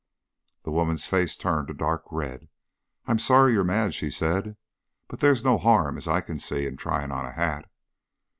The woman's face turned a dark red. "I'm sorry you're mad," she said, "but there's no harm, as I can see, in tryin' on a hat."